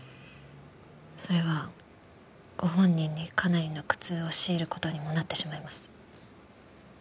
それはご本人にかなりの苦痛を強いる事にもなってしまいます。